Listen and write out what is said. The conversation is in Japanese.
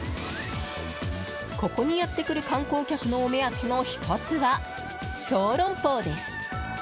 ここにやってくる観光客のお目当ての１つは、小籠包です。